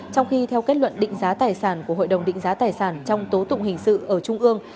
trong khi theo kết luận định giá tài sản của hội đồng định giá tài sản trong tố tụng hình sự ở trung ương